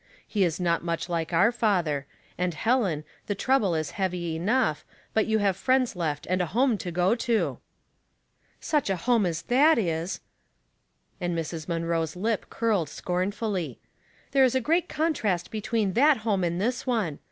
He is not much like our father, and, Helen, the trouble is heavy enough, but you have friends left and a bora© to go to." A Discussion Closed, 303 *' Such a home as that is!" and Mrs. Munroe'a lip curled scornfully. " There is a great contrast between that home and this one.